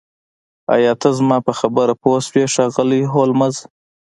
ایا ته زما په خبره پوه شوې ښاغلی هولمز